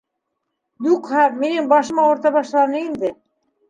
Юҡһа, минең башым ауырта башланы инде.